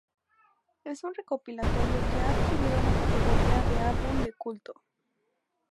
Es un recopilatorio que ha adquirido la categoría de álbum de culto.